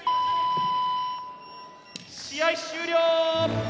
試合終了！